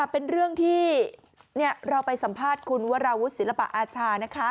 เป็นเรื่องที่เราไปสัมภาษณ์คุณวราวุฒิศิลปะอาชา